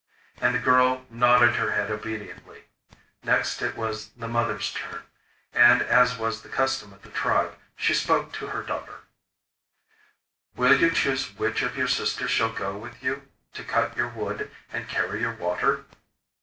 And the girl nodded her head obediently. Next it was the mother's turn; and, as was the custom of the tribe, she spoke to her daughter: 'Will you choose which of your sisters shall go with you to cut your wood and carry your water?